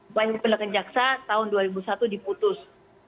upaya hukuman jaksa tahun dua ribu satu diputus